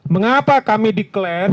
mengapa kami declare